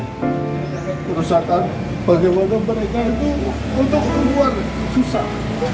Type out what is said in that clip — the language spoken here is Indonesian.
kerusakan bagaimana mereka itu untuk keluar susah